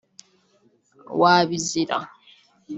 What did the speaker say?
wabizira